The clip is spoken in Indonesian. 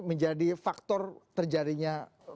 menjadi faktor terjadinya